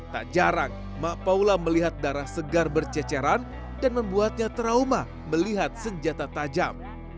tak jarang mak paula melihat darah segar berceceran dan membuatnya trauma melihat senjata tajam